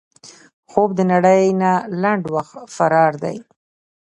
خوب د نړۍ نه لنډ وخت فرار دی